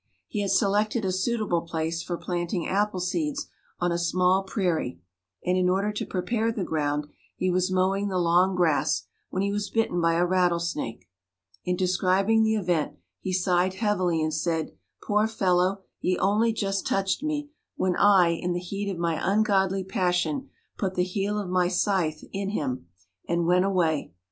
He had selected a suitable place for planting appleseeds on a small prairie, and in order to prepare the ground, he was mowing the long grass, when he was bitten by a rattlesnake. In describing the event he sighed heavily, and said, 'Poor fellow, he only just touched me, when I, in the heat of my ungodly passion, put the heel of my scythe in him, and went away.